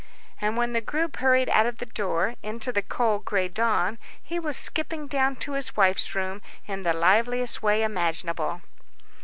And when the group hurried out of the door, into the cold gray dawn, he was skipping down to his wife's room, in the liveliest way imaginable.